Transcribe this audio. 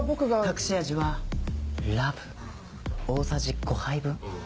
隠し味はラブ大さじ５杯分。